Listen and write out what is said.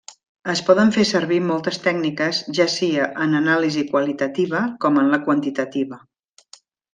Es poden fer servir moltes tècniques ja sia en anàlisi qualitativa com en la quantitativa.